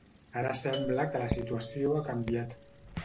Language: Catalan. Ara sembla que la situació ha canviat.